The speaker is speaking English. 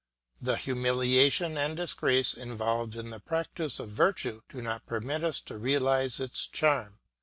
The humiliation and disgrace involved in the practice of virtue do not permit us to realise its charm.